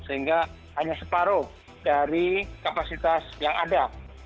sehingga hanya separuh dari kapasitas yang ada